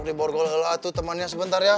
oke borgol helatu temannya sebentar ya